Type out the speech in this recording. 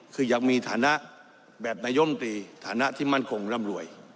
คือยังมีฐานะแบบนายมตรีฐานะที่มั่นคงร่ำรวย